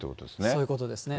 そういうことですね。